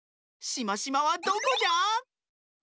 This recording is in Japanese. しましまはどこじゃ？